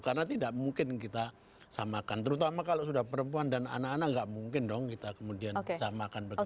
karena tidak mungkin kita samakan terutama kalau sudah perempuan dan anak anak gak mungkin dong kita kemudian samakan begitu saja